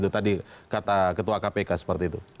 tadi kata ketua kpk seperti itu